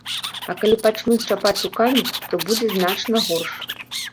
А калі пачнуць чапаць рукамі, то будзе значна горш.